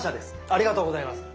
ありがとうございます。